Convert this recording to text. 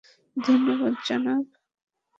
ধন্যবাদ, জনাব।